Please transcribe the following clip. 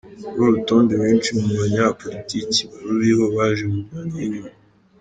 Kuri uru rutonde benshi mu banyapolitiki baruriho baje mu myanya y’inyuma.